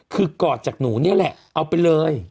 คือกอดจากหนูนี่แหละเอาไปเลย